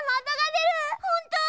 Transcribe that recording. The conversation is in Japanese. ほんとう？